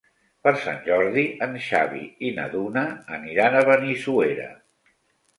Per Sant Jordi en Xavi i na Duna aniran a Benissuera.